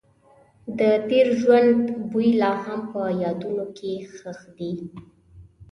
د تېر ژوند بوی لا هم په یادونو کې ښخ دی.